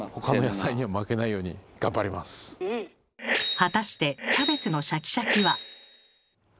果たしてキャベツのシャキシャキは？